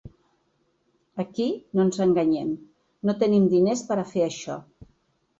Aquí, no ens enganyem, no tenim diners per a fer això.